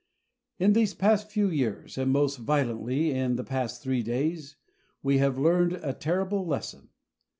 In these past few years and, most violently, in the past three days we have learned a terrible lesson.